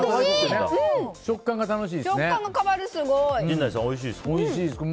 食感が楽しいですね。